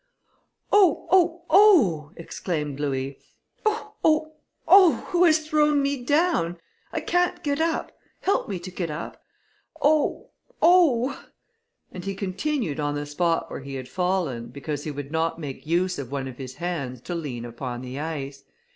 "Oh! oh! oh!" exclaimed Louis. "Oh! oh! oh! who has thrown me down? I can't get up; help me to get up. Oh! oh!" and he continued on the spot where he had fallen, because he would not make use of one of his hands to lean upon the ice.